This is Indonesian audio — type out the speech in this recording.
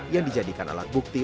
yang dijadikan alat bukti